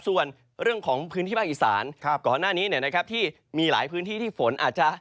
ส่วนเรื่องของพื้นที่บ้านอีสาน